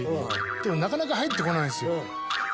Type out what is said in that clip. でもなかなか入ってこないんですよ。